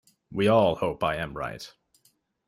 We all hope I am right.